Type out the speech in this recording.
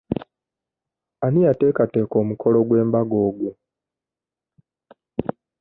Ani yateekateeka omukolo gw'embaga ogwo?